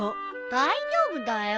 大丈夫だよ